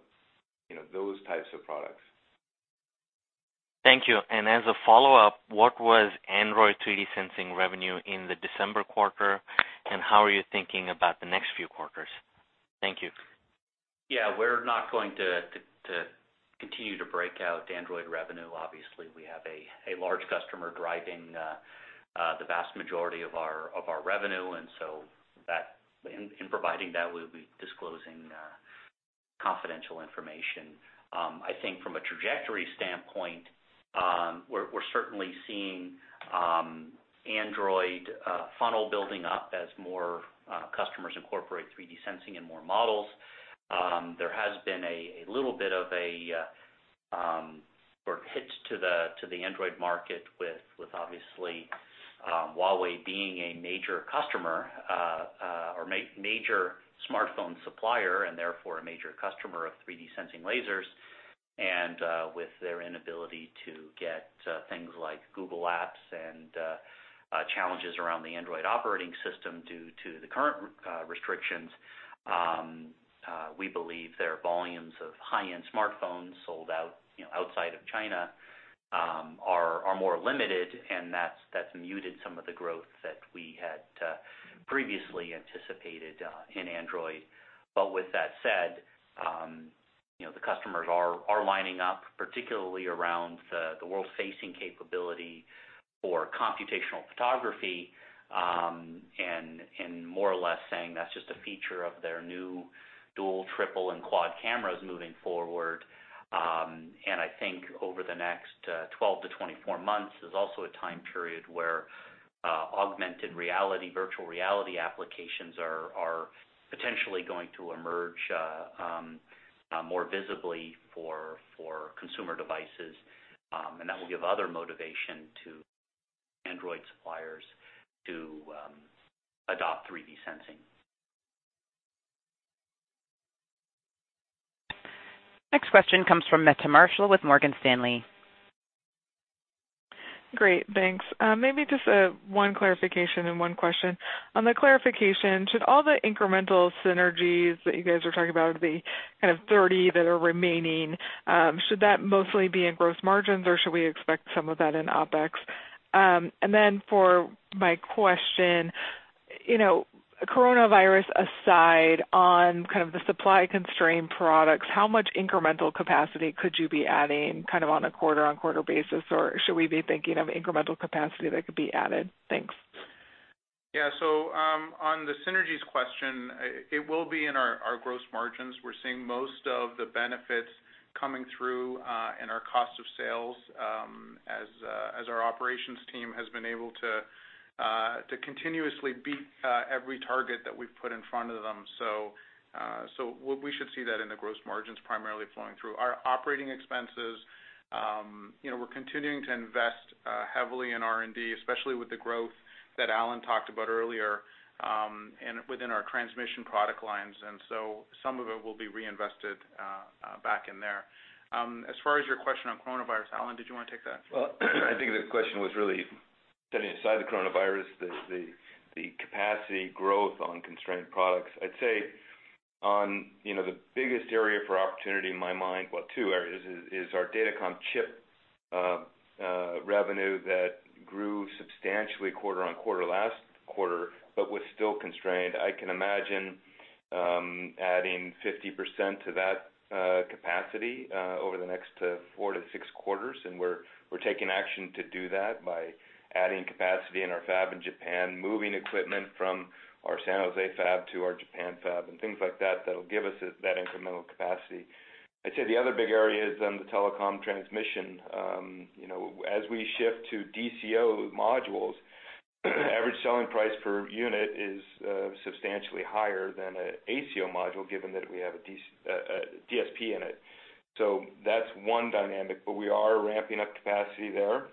those types of products. Thank you. As a follow-up, what was Android 3D sensing revenue in the December quarter, and how are you thinking about the next few quarters? Thank you. Yeah, we're not going to continue to break out Android revenue. Obviously, we have a large customer driving the vast majority of our revenue, and so in providing that, we'll be disclosing confidential information. I think from a trajectory standpoint, we're certainly seeing Android funnel building up as more customers incorporate 3D sensing in more models. There has been a little bit of a hit to the Android market with obviously Huawei being a major customer, or major smartphone supplier and therefore a major customer of 3D sensing lasers, and with their inability to get things like Google Workspace and challenges around the Android operating system due to the current restrictions. We believe their volumes of high-end smartphones sold outside of China are more limited, and that's muted some of the growth that we had previously anticipated in Android. With that said, the customers are lining up, particularly around the world-facing capability for computational photography, and more or less saying that's just a feature of their new dual, triple, and quad cameras moving forward. I think over the next 12-24 months, there's also a time period where augmented reality, virtual reality applications are potentially going to emerge more visibly for consumer devices. That will give other motivation to Android suppliers to adopt 3D sensing. Next question comes from Meta Marshall with Morgan Stanley. Great, thanks. Maybe just one clarification and one question. On the clarification, should all the incremental synergies that you guys are talking about, the kind of 30 that are remaining, should that mostly be in gross margins, or should we expect some of that in OpEx? For my question, coronavirus aside, on the supply-constrained products, how much incremental capacity could you be adding on a quarter-on-quarter basis? Or should we be thinking of incremental capacity that could be added? Thanks. Yeah. On the synergies question, it will be in our gross margins. We're seeing most of the benefits coming through in our cost of sales as our operations team has been able to continuously beat every target that we've put in front of them. We should see that in the gross margins primarily flowing through. Our operating expenses, we're continuing to invest heavily in R&D, especially with the growth that Alan talked about earlier within our transmission product lines, some of it will be reinvested back in there. As far as your question on coronavirus, Alan, did you want to take that? Well, I think the question was really setting aside the coronavirus, the capacity growth on constrained products. I'd say the biggest area for opportunity in my mind, well, two areas, is our datacom chip revenue that grew substantially quarter-over-quarter last quarter, but was still constrained. I can imagine adding 50% to that capacity over the next four to six quarters. We're taking action to do that by adding capacity in our fab in Japan, moving equipment from our San Jose fab to our Japan fab, and things like that'll give us that incremental capacity. I'd say the other big area is then the telecom transmission. As we shift to DCO modules, Average Selling Price per unit is substantially higher than an ACO module, given that we have a DSP in it. That's one dynamic, but we are ramping up capacity there.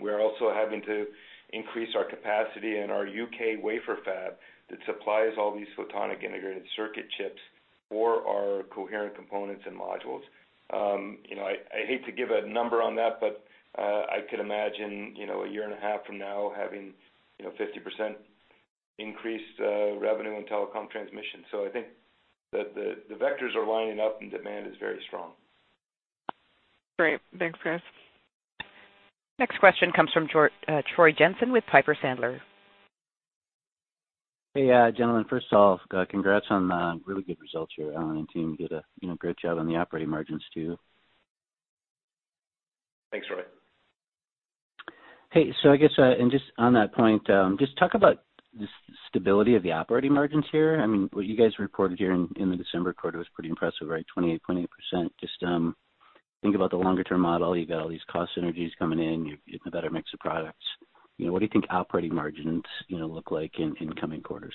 We're also having to increase our capacity in our U.K. wafer fab that supplies all these photonic integrated circuit chips for our coherent components and modules. I hate to give a number on that, but I could imagine a year and a half from now having 50% increased revenue in telecom transmission. I think that the vectors are lining up and demand is very strong. Great. Thanks, guys. Next question comes from Troy Jensen with Piper Sandler. Hey, gentlemen. First off, congrats on the really good results here. Alan and team did a great job on the operating margins too. Thanks, Troy. Hey, I guess, just on that point, just talk about the stability of the operating margins here. What you guys reported here in the December quarter was pretty impressive, right? 28%. Just think about the longer-term model. You've got all these cost synergies coming in. You've hit the better mix of products. What do you think operating margins look like in coming quarters?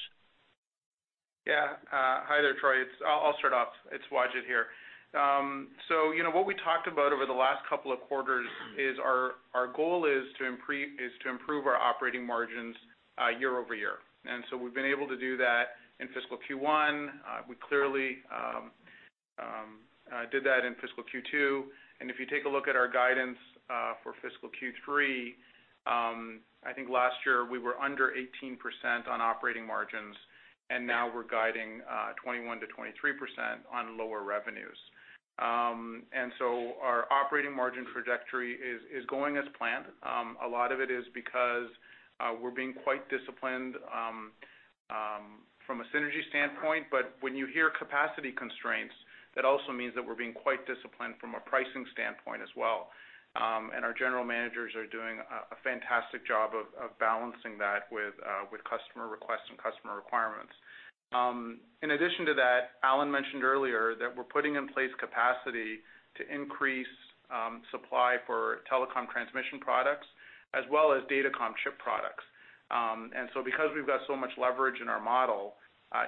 Hi there, Troy. I'll start off. It's Wajid here. What we talked about over the last couple of quarters is our goal is to improve our operating margins year-over-year. We've been able to do that in fiscal Q1. We clearly did that in fiscal Q2. If you take a look at our guidance for fiscal Q3, I think last year we were under 18% on operating margins, and now we're guiding 21%-23% on lower revenues. Our operating margin trajectory is going as planned. A lot of it is because we're being quite disciplined from a synergy standpoint, but when you hear capacity constraints, that also means that we're being quite disciplined from a pricing standpoint as well. Our general managers are doing a fantastic job of balancing that with customer requests and customer requirements. In addition to that, Alan mentioned earlier that we're putting in place capacity to increase supply for telecom transmission products as well as datacom chip products. Because we've got so much leverage in our model,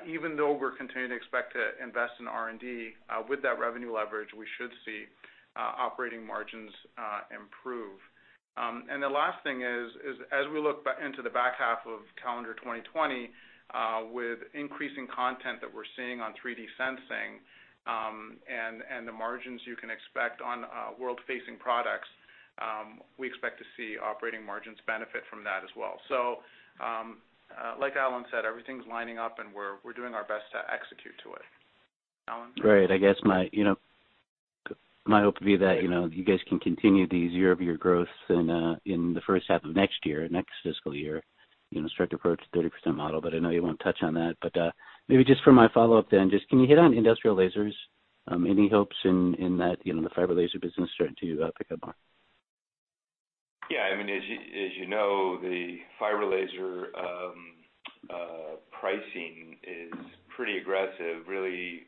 even though we're continuing to expect to invest in R&D, with that revenue leverage, we should see operating margins improve. The last thing is, as we look into the back half of calendar 2020, with increasing content that we're seeing on 3D sensing, and the margins you can expect on world-facing products, we expect to see operating margins benefit from that as well. Like Alan said, everything's lining up and we're doing our best to execute to it. Alan? Great. I guess my hope would be that you guys can continue these year-over-year growths in the first half of next year, next fiscal year, start to approach the 30% model. I know you won't touch on that. Maybe just for my follow-up then, just can you hit on industrial lasers? Any hopes in the fiber laser business starting to pick up on? Yeah. As you know, the fiber laser pricing is pretty aggressive, really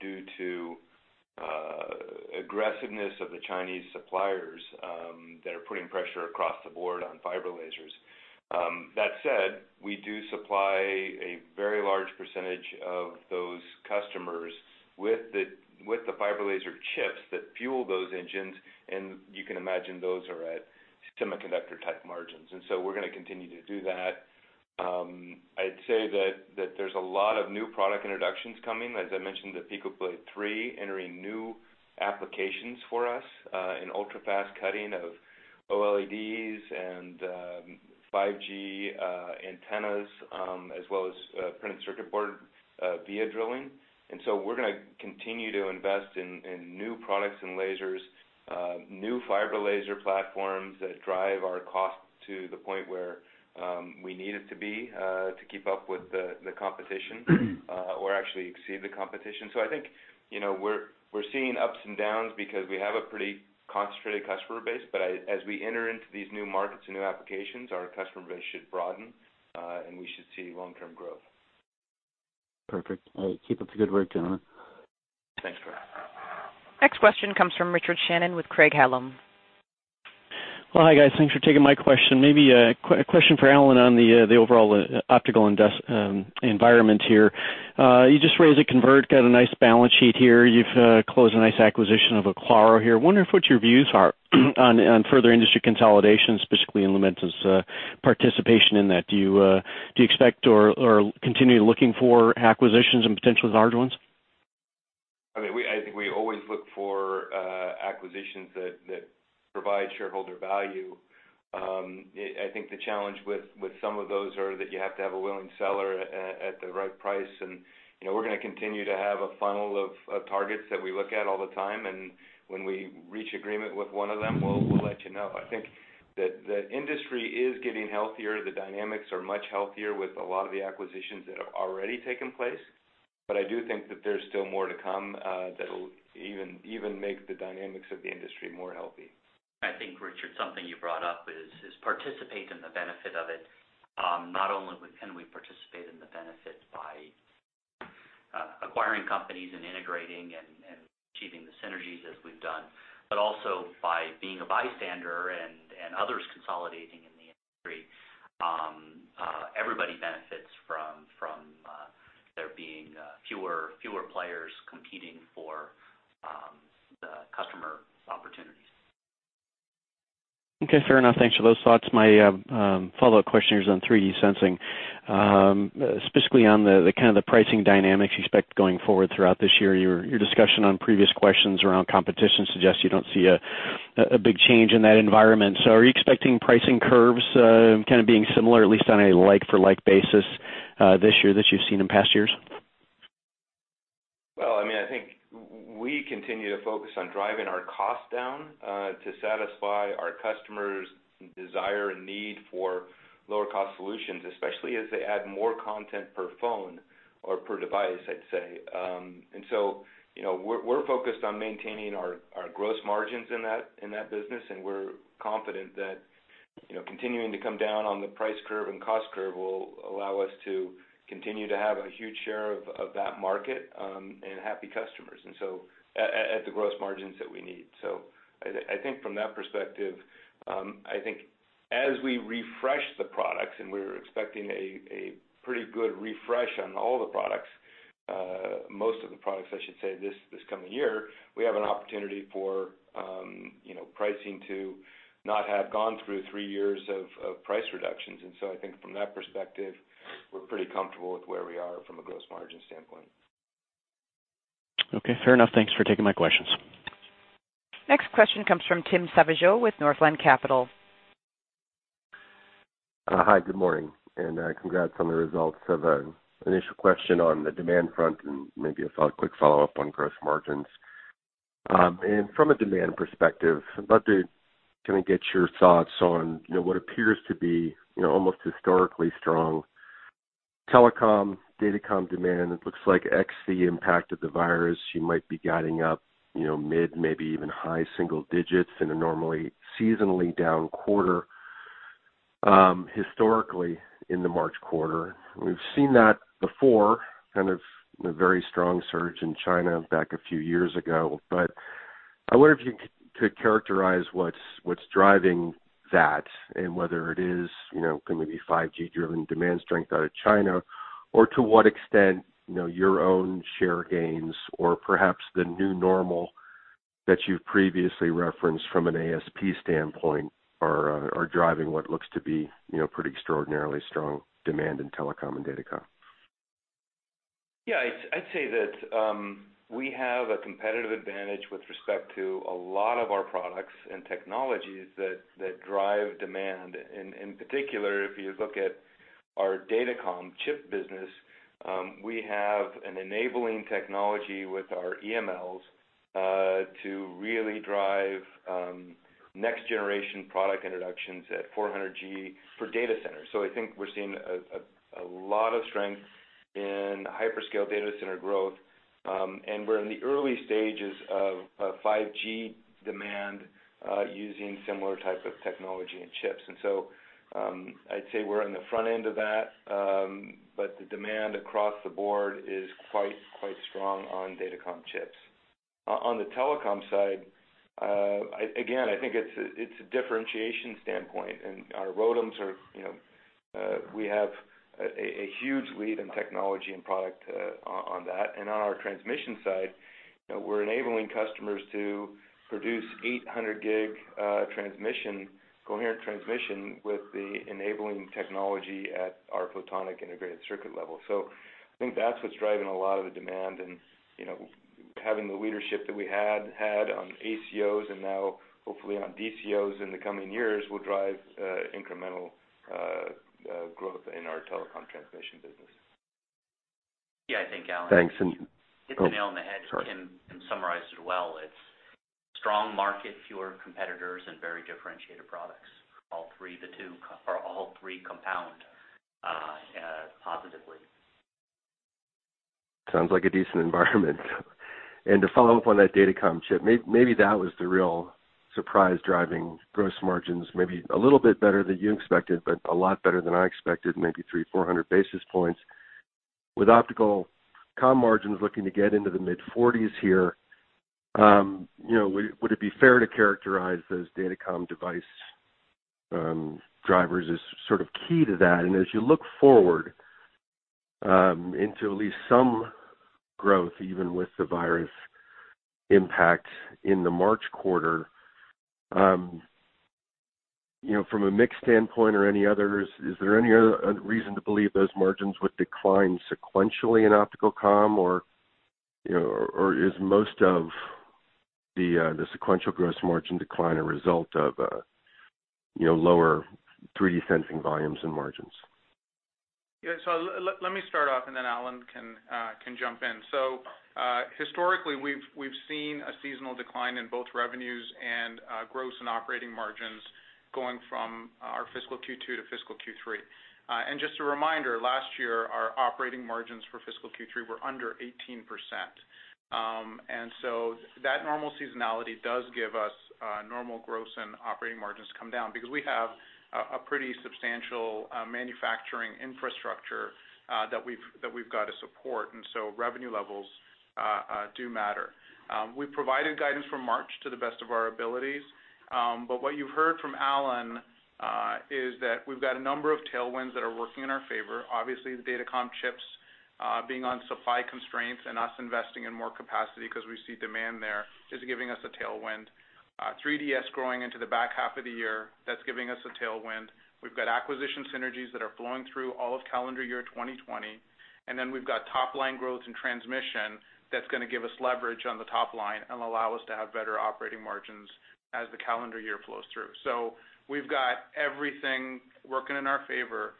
due to aggressiveness of the Chinese suppliers that are putting pressure across the board on fiber lasers. That said, we do supply a very large percentage of those customers with the fiber laser chips that fuel those engines, and you can imagine those are at semiconductor-type margins. We're going to continue to do that. I'd say that there's a lot of new product introductions coming. As I mentioned, the PicoBlade 3 entering new applications for us in ultra-fast cutting of OLEDs and 5G antennas, as well as printed circuit board via drilling. We're going to continue to invest in new products and lasers, new fiber laser platforms that drive our cost to the point where we need it to be to keep up with the competition, or actually exceed the competition. I think we're seeing ups and downs because we have a pretty concentrated customer base, but as we enter into these new markets and new applications, our customer base should broaden, and we should see long-term growth. Perfect. All right. Keep up the good work, gentlemen. Thanks, Troy. Next question comes from Richard Shannon with Craig-Hallum. Well, hi, guys. Thanks for taking my question. Maybe a question for Alan on the overall optical investment environment here. You just raised a convert, got a nice balance sheet here. You've closed a nice acquisition of Oclaro here. Wondering what your views are on further industry consolidation, specifically in Lumentum's participation in that. Do you expect or continue looking for acquisitions and potentially large ones? I think we always look for acquisitions that provide shareholder value. I think the challenge with some of those are that you have to have a willing seller at the right price. We're going to continue to have a funnel of targets that we look at all the time. When we reach agreement with one of them, we'll let you know. I think that the industry is getting healthier. The dynamics are much healthier with a lot of the acquisitions that have already taken place. I do think that there's still more to come that'll even make the dynamics of the industry more healthy. I think, Richard, something you brought up is participate in the benefit of it. Not only can we participate in the benefit by acquiring companies and integrating and achieving the synergies as we've done, but also by being a bystander and others consolidating in the industry. Everybody benefits from there being fewer players competing for the customer opportunities. Okay, fair enough. Thanks for those thoughts. My follow-up question here is on 3D sensing, specifically on the kind of the pricing dynamics you expect going forward throughout this year. Your discussion on previous questions around competition suggests you don't see a big change in that environment. Are you expecting pricing curves kind of being similar, at least on a like-for-like basis this year that you've seen in past years? Well, I think we continue to focus on driving our cost down, to satisfy our customers' desire and need for lower-cost solutions, especially as they add more content per phone or per device, I'd say. We're focused on maintaining our gross margins in that business, and we're confident that continuing to come down on the price curve and cost curve will allow us to continue to have a huge share of that market, and happy customers at the gross margins that we need. I think from that perspective, I think as we refresh the products, and we're expecting a pretty good refresh on all the products, most of the products, I should say, this coming year, we have an opportunity for pricing to not have gone through three years of price reductions. I think from that perspective, we're pretty comfortable with where we are from a gross margin standpoint. Okay, fair enough. Thanks for taking my questions. Next question comes from Tim Savageaux with Northland Capital. Hi, good morning, and congrats on the results. I have an initial question on the demand front and maybe a quick follow-up on gross margins. From a demand perspective, I'd love to kind of get your thoughts on what appears to be almost historically strong telecom, datacom demand. It looks like ex the impact of the virus, you might be guiding up mid, maybe even high single digits in a normally seasonally down quarter historically in the March quarter. We've seen that before, kind of a very strong surge in China back a few years ago. I wonder if you could characterize what's driving that and whether it is going to be 5G-driven demand strength out of China, or to what extent your own share gains or perhaps the new normal that you've previously referenced from an ASP standpoint are driving what looks to be pretty extraordinarily strong demand in telecom and datacom. Yeah, I'd say that we have a competitive advantage with respect to a lot of our products and technologies that drive demand. In particular, if you look at our datacom chip business, we have an enabling technology with our EMLs to really drive next-generation product introductions at 400G for data centers. I think we're seeing a lot of strength in hyperscale data center growth. We're in the early stages of 5G demand using similar type of technology and chips. I'd say we're on the front end of that. The demand across the board is quite strong on datacom chips. On the telecom side, again, I think it's a differentiation standpoint. We have a huge lead in technology and product on that. On our transmission side, we're enabling customers to produce 800G coherent transmission with the enabling technology at our photonic integrated circuit level. I think that's what's driving a lot of the demand and having the leadership that we had on ACOs and now hopefully on DCOs in the coming years will drive incremental growth in our telecom transmission business. Yeah, I think, Alan- Thanks. You hit the nail on the head. Oh, sorry. Tim, summarized it well. It's strong market, fewer competitors, and very differentiated products. All three compound positively. Sounds like a decent environment. To follow up on that datacom chip, maybe that was the real surprise driving gross margins, maybe a little bit better than you expected, but a lot better than I expected, maybe 300, 400 basis points. With optical comm margins looking to get into the mid-40s here, would it be fair to characterize those datacom device drivers as sort of key to that? As you look forward into at least some growth, even with the virus impact in the March quarter, from a mix standpoint or any other, is there any other reason to believe those margins would decline sequentially in optical comm, or is most of the sequential gross margin decline a result of lower 3D sensing volumes and margins? Yeah. Let me start off, and then Alan can jump in. Historically, we've seen a seasonal decline in both revenues and gross and operating margins going from our fiscal Q2 to fiscal Q3. Just a reminder, last year, our operating margins for fiscal Q3 were under 18%. That normal seasonality does give us normal gross and operating margins come down because we have a pretty substantial manufacturing infrastructure that we've got to support. Revenue levels do matter. We've provided guidance for March to the best of our abilities. What you've heard from Alan is that we've got a number of tailwinds that are working in our favor. Obviously, the datacom chips being on supply constraints and us investing in more capacity because we see demand there is giving us a tailwind. 3DS growing into the back half of the year, that's giving us a tailwind. We've got acquisition synergies that are flowing through all of calendar year 2020, and then we've got top-line growth in transmission that's going to give us leverage on the top line and allow us to have better operating margins as the calendar year flows through. We've got everything working in our favor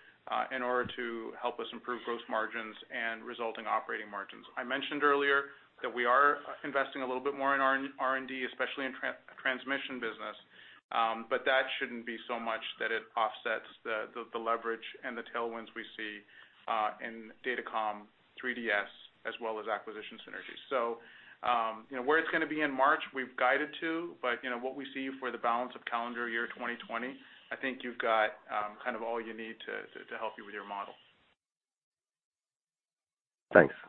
in order to help us improve gross margins and resulting operating margins. I mentioned earlier that we are investing a little bit more in R&D, especially in transmission business. That shouldn't be so much that it offsets the leverage and the tailwinds we see in Datacom, 3DS, as well as acquisition synergies. Where it's going to be in March, we've guided to, but what we see for the balance of calendar year 2020, I think you've got kind of all you need to help you with your model. Thanks. We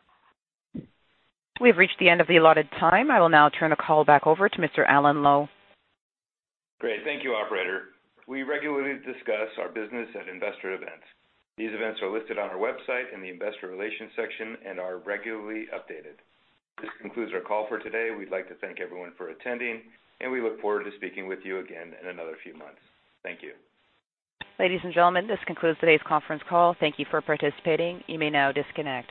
have reached the end of the allotted time. I will now turn the call back over to Mr. Alan Lowe. Great. Thank you, operator. We regularly discuss our business at investor events. These events are listed on our website in the investor relations section and are regularly updated. This concludes our call for today. We'd like to thank everyone for attending, and we look forward to speaking with you again in another few months. Thank you. Ladies and gentlemen, this concludes today's conference call. Thank you for participating. You may now disconnect.